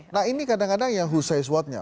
nah ini kadang kadang yang who says what nya